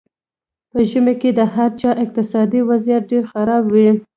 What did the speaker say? په ژمي کې د هر چا اقتصادي وضیعت ډېر خراب وي.